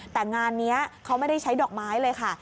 แต่งานนี้เขาไม่ได้ใช้ดอกไม้เลยค่ะ